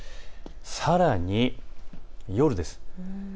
さらに、夜です。